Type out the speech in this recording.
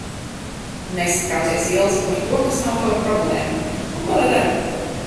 Nesatraucies, Ilze, par to, kas nav tava problēma! Nu, ko lai dara?